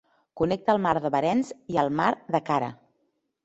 Connecta el mar de Barentsz i el mar de Kara.